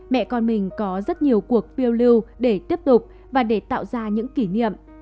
mẹ con mình có rất nhiều cuộc phiêu lưu để tiếp tục và để tạo ra những kỷ niệm